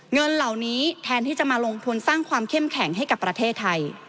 เงินเหล่านี้แทนที่จะมาลงทุนสร้างความเข้มแข็งให้กับประเทศไทย